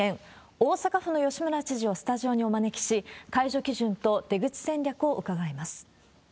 大阪府の吉村知事をスタジオにお招きし、解除基準と出口戦略を伺います。